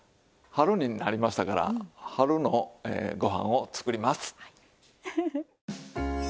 春になりましたから春のご飯を作ります。